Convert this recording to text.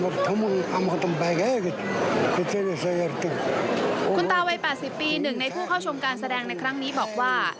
คุณตาวัย๘๐ปี๑ในผู้เข้าชมการแสดงในครั้งนี้บอกว่า